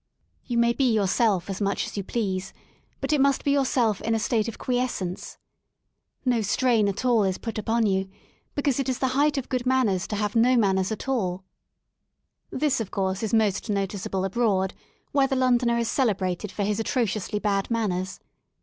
You may be yourself as much as you please, but it must be yourself in a state of quiescence. No strain at all is put upon you, because it is the height of good manners to have no manners at all. 114 LONDON AT LEISURE This of course is most noticeable abroad, where the Londoner is celebrated for his atrociously bad manners.